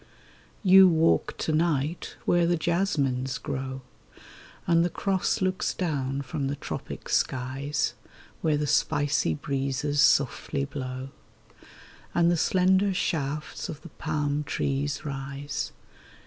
You walk to night where the jasmines grow, xA.nd the Cross looks down from the tropic skies ; Where the spicy breezes softly blow, And the slender shafts of the palm trees rise.